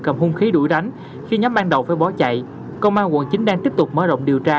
cầm hung khí đuổi đánh khi nhóm ban đầu phải bỏ chạy công an quận chín đang tiếp tục mở rộng điều tra